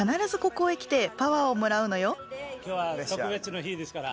今日は特別な日ですから。